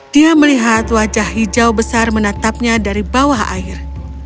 dia melihat wajah hijau besar menatapnya dari bawah air